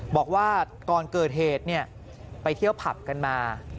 บอกว่าก่อนเกิดเหตุไปเที่ยวผับกันมา